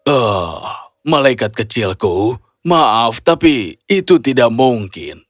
eh malaikat kecilku maaf tapi itu tidak mungkin